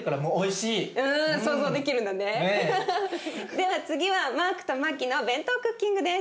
では次はマークとマキのＢＥＮＴＯクッキングです。